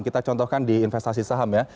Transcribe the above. kita contohkan di investasi saham ya